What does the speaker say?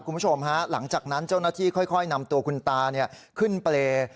คุณผู้ชมฮะหลังจากนั้นเจ้าหน้าที่ค่อยนำตัวคุณตาขึ้นเปรย์